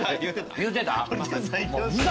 言うてた？